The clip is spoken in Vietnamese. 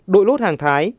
đội lốt hàng thái